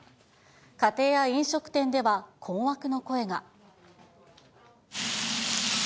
家庭や飲食店では困惑の声が。